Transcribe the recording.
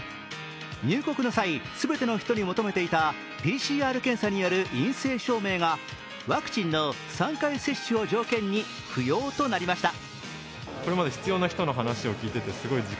入国の際、全ての人に求めていたＰＣＲ検査による陰性証明がワクチンの３回接種を条件に不要となりました。